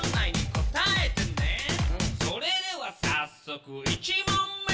「それでは早速１問目」